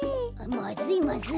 まずいまずい。